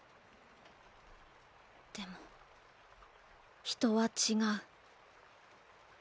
でも人は違う。